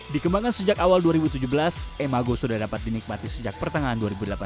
dikembangkan sejak awal dua ribu tujuh belas emago sudah dapat dinikmati sejak pertengahan dua ribu delapan belas